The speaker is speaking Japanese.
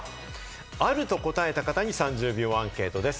あると答えた人に３０秒アンケートです。